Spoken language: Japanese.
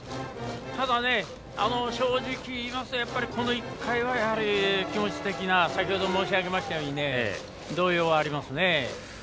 ただ、正直言いますとこの１回はやはり気持ち的に先ほど申し上げたとおり動揺がありますね。